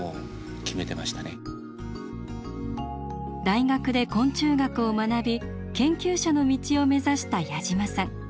大学で昆虫学を学び研究者の道を目指した矢島さん。